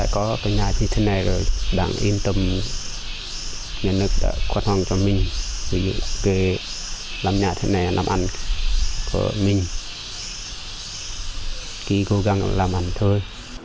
chỉ cố gắng làm ảnh thôi